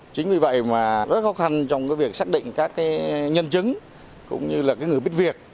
chính vì vậy mà rất khó khăn trong cái việc xác định các nhân chứng cũng như là người biết việc